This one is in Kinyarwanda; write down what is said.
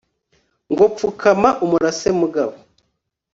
ngo pfukama umurase mugabo